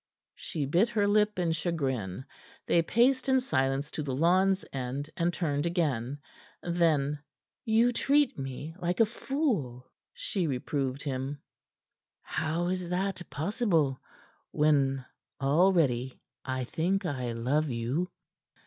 She bit her lip in chagrin. They paced in silence to the lawn's end, and turned again. Then: "You treat me like a fool," she reproved him. "How is that possible, when, already I think I love you."